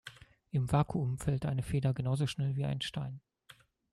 Im Vakuum fällt eine Feder genauso schnell wie ein Stein.